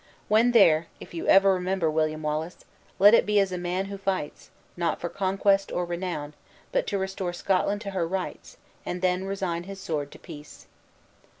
When there, if you ever remember William Wallace, let it be as a man who fights, not for conquest or renown, but to restore Scotland to her rights, and then resign his sword to peace."